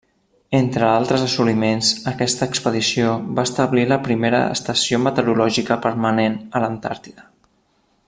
Entre altres assoliments, aquesta expedició va establir la primera estació meteorològica permanent a l'Antàrtida.